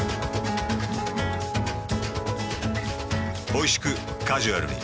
おいしくカジュアルに。